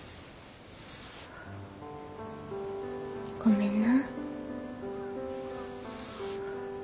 ごめんな。